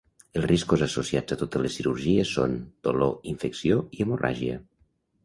Els riscos associats a totes les cirurgies són: dolor, infecció i hemorràgia.